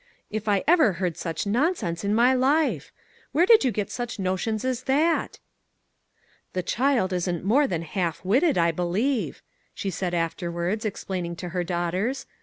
if ever I heard such nonsense in my life ! Where did you get such notions as that ?"" The child isn't more than half witted, I be lieve," she said afterwards, explaining to her daughters.